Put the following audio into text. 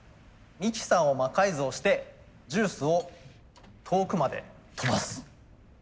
ミキサーを魔改造してジュースを遠くまで飛ばす。